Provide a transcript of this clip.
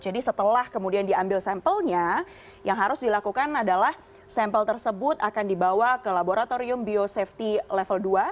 jadi setelah kemudian diambil sampelnya yang harus dilakukan adalah sampel tersebut akan dibawa ke laboratorium biosafety level dua